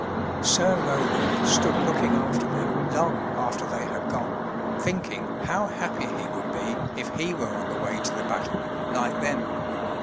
Sir Roland stood looking after them long after they had gone, thinking how happy he would be if he were on the way to the battle like them.